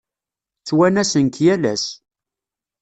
Ttwanasen-k yal ass.